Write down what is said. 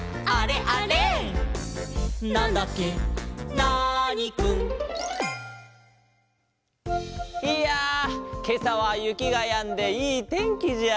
ナーニくん」いやけさはゆきがやんでいいてんきじゃあ。